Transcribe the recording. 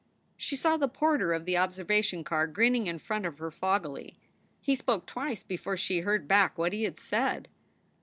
She saw the porter of the observation car grinning in front of her foggily. He spoke twice before she heard back what he had said.